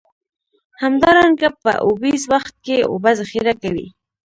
همدارنګه په اوبیز وخت کې اوبه ذخیره کوي.